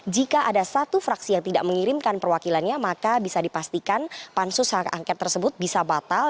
jika ada satu fraksi yang tidak mengirimkan perwakilannya maka bisa dipastikan pansus hak angket tersebut bisa batal